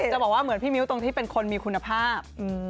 จะบอกว่าเหมือนพี่มิ้วตรงที่เป็นคนมีคุณภาพ